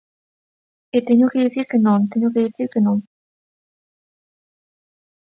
E teño que dicir que non, teño que dicir que non.